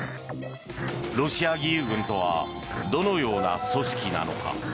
ロシア義勇軍とはどのような組織なのか。